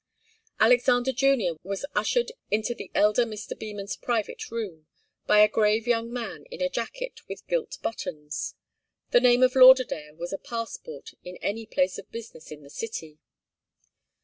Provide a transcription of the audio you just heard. Alexander Junior was ushered into the elder Mr. Beman's private room, by a grave young man in a jacket with gilt buttons. The name of Lauderdale was a passport in any place of business in the city.